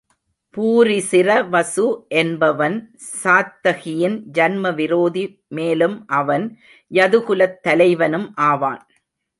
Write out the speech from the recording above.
பூரிசிரவசு என்பவன் சாத்தகியின் ஜன்ம விரோதி மேலும் அவன் யதுகுலத்தலைவனும் ஆவான்.